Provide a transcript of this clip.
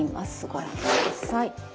ご覧ください。